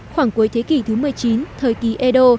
khoảng cuối thế kỷ thứ một mươi chín thời kỳ edo